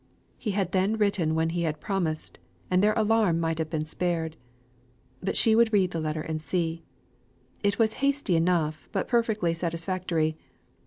He had then written when he had promised, and their alarm might have been spared. But she would read the letter and see. It was hasty enough, but perfectly satisfactory.